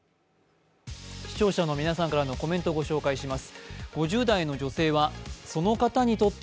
視聴者の皆さんからのコメントをご紹介します。